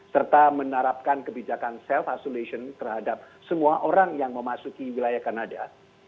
serta menerapkan kebijakan self isolation terhadap semua orang yang memasuki wilayah kanada